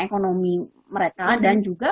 ekonomi mereka dan juga